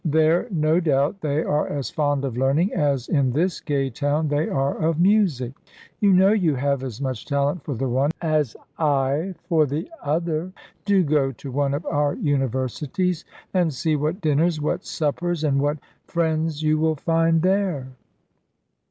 There, no doubt, they are as fond of learning as in this gay town they are of music. You know you have as much talent for the one as I for the other: do go to one of our universities, and see what dinners, what suppers, and what friends you will find there."